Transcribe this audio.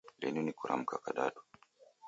Linu ni kiramka kadadu